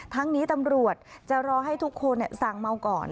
ทั้งนี้ตำรวจจะรอให้ทุกคนสั่งเมาก่อน